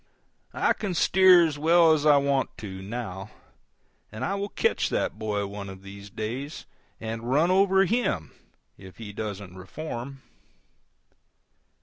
I can steer as well as I want to, now, and I will catch that boy out one of these days and run over HIM if he doesn't reform.